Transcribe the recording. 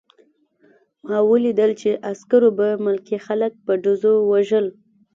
ما ولیدل چې عسکرو به ملکي خلک په ډزو وژل